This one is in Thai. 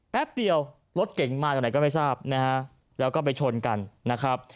แป๊บเดียวรถเก่งมาจากไหนก็ไม่ทราบนะฮะแล้วก็ไปชนกันนะครับ